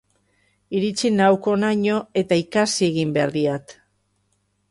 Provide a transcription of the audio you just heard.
Iritsi nauk honaino, eta ikasi egin behar diat.